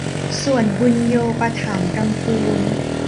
ส่วนบุญโญปถัมภ์ลำพูน